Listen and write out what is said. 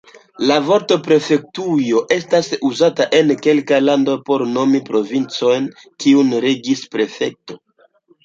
La vorto prefektujo estas uzata en kelkaj landoj por nomi provincojn kiujn regis prefekto.